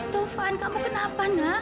toh fan kamu kenapa nak